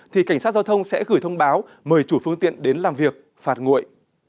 thì cảnh sát giao thông sẽ gửi thông báo mời chủ phương tiện đến làm việc phạt nguội